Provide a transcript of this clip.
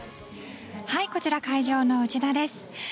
こちら、会場の内田です。